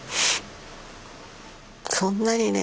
そんなにね